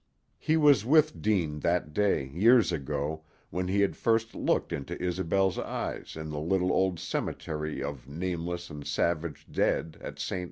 He was with Deane that day, years ago, when he had first looked into Isobel's eyes in the little old cemetery of nameless and savage dead at Ste.